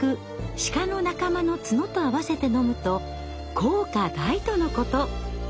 シカの仲間の角と合わせて飲むと効果大とのこと。